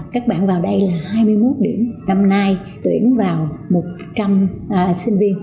năm nay là hai mươi một điểm năm nay tuyển vào một trăm linh sinh viên